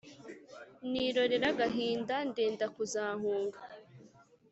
Nirorera agahinda Ntenda kuzahunga